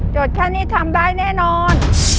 จดแค่นี้ทำได้แน่นอน